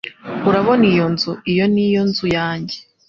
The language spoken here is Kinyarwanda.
Urabona iyo nzu? Iyo ni yo nzu yanjye.